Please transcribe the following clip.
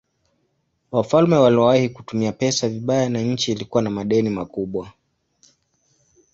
Wafalme waliwahi kutumia pesa vibaya na nchi ilikuwa na madeni makubwa.